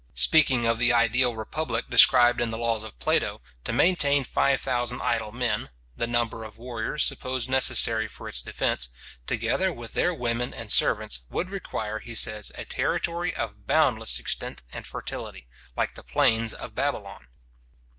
Speaking of the ideal republic described in the laws of Plato, to maintain 5000 idle men (the number of warriors supposed necessary for its defence), together with their women and servants, would require, he says, a territory of boundless extent and fertility, like the plains of Babylon.